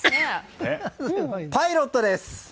パイロットです！